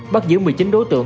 bắt giữ một mươi chín đối tượng